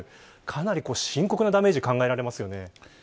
かなり深刻なダメージが考えられますよね。